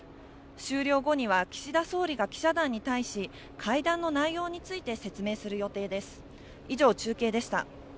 終了後には、岸田総理が記者団に対し、会談の内容について説明する予定です。